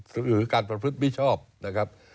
หรือการประพฤติมิชชอบนะครับ